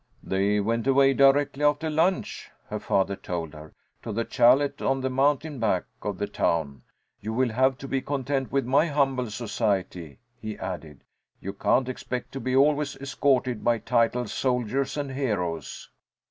They went away directly after lunch, her father told her, to the chalet on the mountain back of the town. "You will have to be content with my humble society," he added. "You can't expect to be always escorted by titled soldiers and heroes."